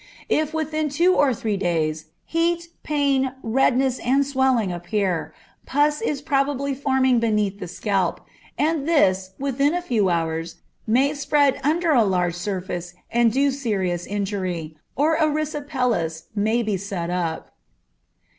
If within two or three days heat, pain, redness, and swelling appear, pus is probably forming beneath the scalp, and this, within a few hours, may spread under a large surface and do serious injury, or erysipelas may be set up.